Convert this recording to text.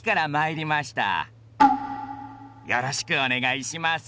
よろしくお願いします。